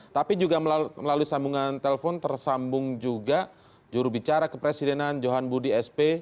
tapi juga melalui sambungan telpon tersambung juga jurubicara kepresidenan johan budi sp